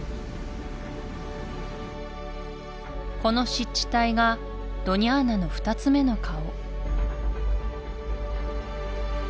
この湿地帯がドニャーナの２つ目の顔